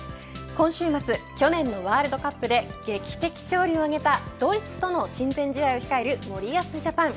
今週末、去年のワールドカップで劇的勝利を挙げたドイツとの親善試合を控える森保ジャパン。